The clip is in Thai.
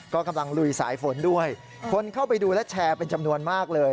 ก็กำลังลุยสายฝนด้วยคนเข้าไปดูและแชร์เป็นจำนวนมากเลย